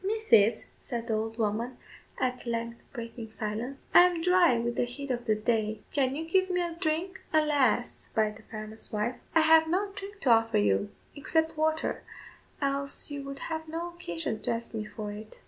"Mrs.," said the old woman, at length breaking silence, "I am dry with the heat of the day; can you give me a drink?" "Alas!" replied the farmer's wife, "I have no drink to offer you except water, else you would have no occasion to ask me for it."